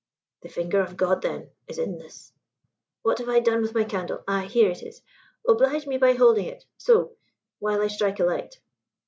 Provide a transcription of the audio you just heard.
"The finger of God, then, is in this. What have I done with my candle? Ah, here it is. Oblige me by holding it so while I strike a light."